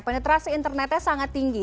peneterasi internetnya sangat tinggi